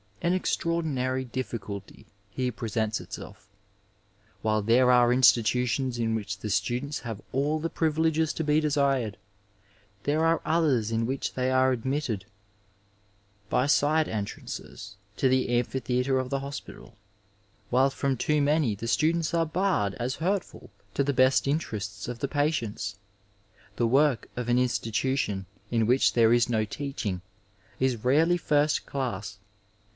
An extraordinaiy difficulty here presents itself. While there are institutions in which the students have all the privileges to be desired, there are others in which they are admitted by side entrances to the amphitheatre of the hospital, while from too many the students are barred as hurtful to the best interests of the patients: The work of an institution in which there is no teaching is rarely first class.